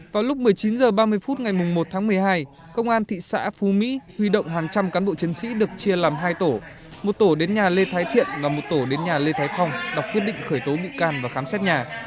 vào lúc một mươi chín h ba mươi phút ngày một tháng một mươi hai công an thị xã phú mỹ huy động hàng trăm cán bộ chiến sĩ được chia làm hai tổ một tổ đến nhà lê thái thiện và một tổ đến nhà lê thái phong đọc quyết định khởi tố bị can và khám xét nhà